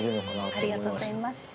ありがとうございます。